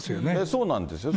そうなんですよ。